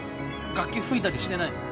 楽器吹いたりしてないの？